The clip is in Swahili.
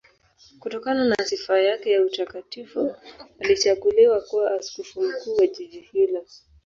Kutokana na sifa yake ya utakatifu alichaguliwa kuwa askofu mkuu wa jiji hilo.